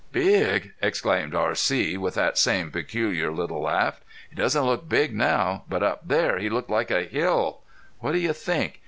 "Big!..." exclaimed R.C. with that same peculiar little laugh. "He doesn't look big now. But up there he looked like a hill.... What do you think?